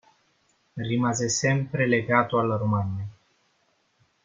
Rimase sempre legato alla Romagna.